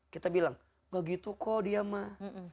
kita bilang gak gitu kok dia mah